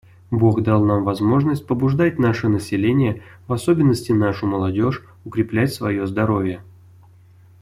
Бог дал нам возможность побуждать наше население, в особенности нашу молодежь, укреплять свое здоровье.